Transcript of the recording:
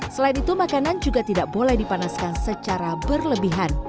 selain itu makanan juga tidak boleh dipanaskan secara berlebihan